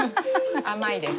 甘いです。